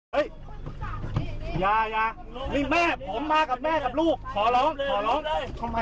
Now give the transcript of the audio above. เฮ้ยอย่านี่แม่ผมมากับแม่กับลูกขอร้องขอร้อง